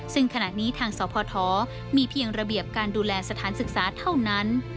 ซึ่งขณะนี้ทางสพมีเพียงระเบียบการดูแลสถานศึกษาเท่านั้น